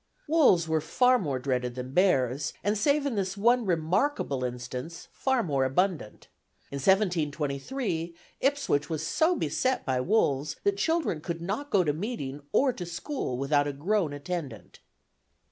Wolves were far more dreaded than bears, and save in this one remarkable instance, far more abundant. In 1723, Ipswich was so beset by wolves that children could not go to meeting or to school without a grown attendant.